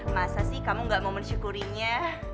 masa sih kamu gak mau mensyukurinya